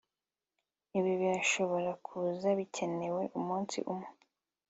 ibi birashobora kuza bikenewe umunsi umwe